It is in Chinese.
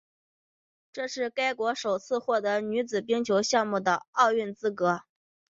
这是该国首次获得女子冰球项目的奥运资格。